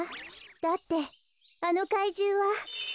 だってあのかいじゅうは。